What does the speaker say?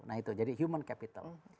nah itu jadi human capital